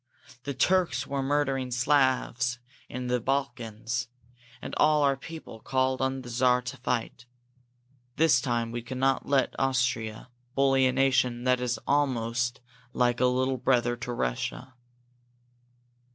The Turks were murdering Slavs in the Balkans, and all our people called on the Czar to fight. This time we could not let Austria bully a nation that is almost like a little brother to Russia."